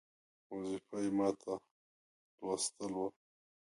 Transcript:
وظیفه یې ماته لوستل وه.